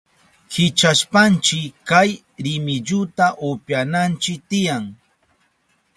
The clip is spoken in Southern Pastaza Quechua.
Kichashpanchi kay rimilluta upyananchi tiyan.